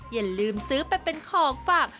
อย่าลืมซื้อไปเป็นของฝาก